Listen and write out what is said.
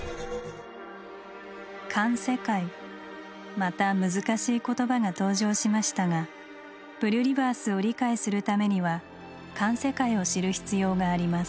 環世界また難しい言葉が登場しましたがプリュリバースを理解するためには環世界を知る必要があります。